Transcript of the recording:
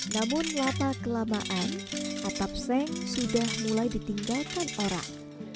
namun lama kelamaan atap seng sudah mulai ditinggalkan orang